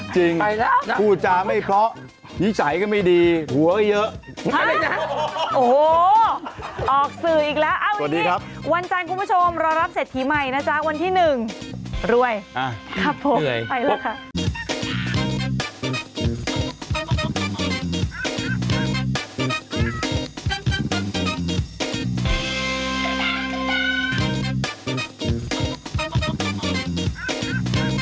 จริงแล้วพูดจาไม่เพราะนิสัยก็ไม่ดีหัวก็เยอะมาเลยนะโอ้โหออกสื่ออีกแล้วสวัสดีครับวันจันทร์คุณผู้ชมรอรับเศรษฐีใหม่นะจ๊ะวันที่หนึ่งรวยครับผมไปแล้วค่ะ